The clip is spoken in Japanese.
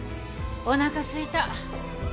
おなかすいた。